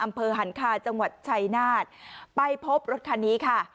อำเภอหันคาจังหวัดชัยนาฏไปพบรถคันนี้ค่ะ